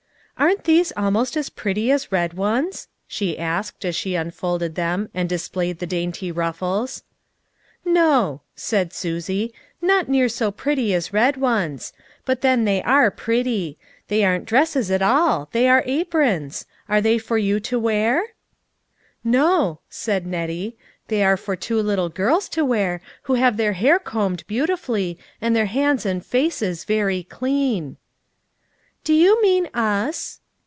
"Aren't these almost as pretty as red ones ?" she asked, as she unfolded them, and displayed the dainty ruffles. "No," said Susie, " not near so pretty as red ones. But then they are pretty. They aren't dresses at all ; they are aprons. Are they for you to wear?" " No," said Nettie, " they are for two little girls to wear, who have their hair combed beau tifully, and their hands and faces very clean." "Do you mean us?"